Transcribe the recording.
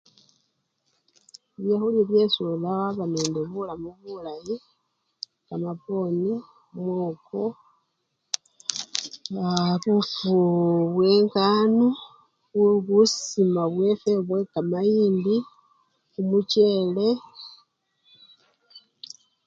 Byakhulya byesi olya waba nende bulamu bulayi, kamapwondi mwoko, aa! bufu bwenganu, bwebusima bwefwe bwekamayindi, kumuchele .